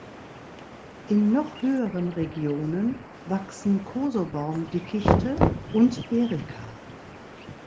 In noch höheren Regionen wachsen Kosobaum-Dickichte und Erika.